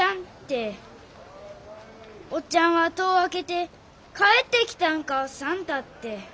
おっちゃんは戸を開けて「帰ってきたんか算太」って。